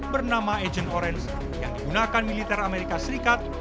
bernama agent orange yang digunakan militer amerika serikat